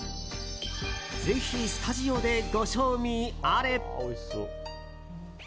ぜひスタジオでご賞味あれ！